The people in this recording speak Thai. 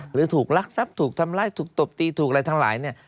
หรือถูกรักทรัพย์ถูกทำร้ายถูกตบตีถูกอะไรทั้งหลายเนี่ย